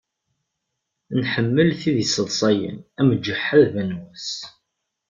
Nḥemmel tid yesseḍsayen am Ǧeḥḥa d Banwas.